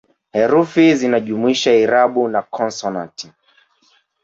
Herufi zinajumuisha irabu na konsonanti